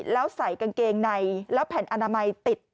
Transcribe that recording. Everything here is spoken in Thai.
แล้วใส่กางเกงในแล้วแผ่นอนามัยติด